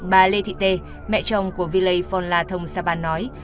bà lê thị tê mẹ chồng của villei phonla thong savan nói